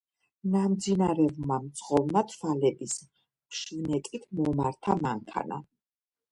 ნამძინარევმა მძღოლმა თვალების ფშვნეტით მომართა მანქანა.